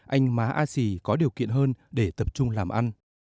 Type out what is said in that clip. anh má a sì có điều kiện hơn để tập trung làm ăn